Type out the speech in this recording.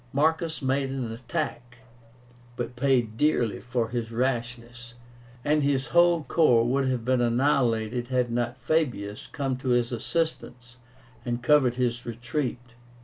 Marcus made an attack, but paid dearly for his rashness, and his whole corps would have been annihilated had not Fabius come to his assistance and covered his retreat.